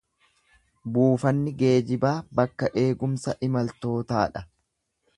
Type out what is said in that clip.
Buufanni geejibaa bakka eeggumsa imaltootaa dha.